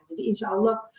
jadi insya allah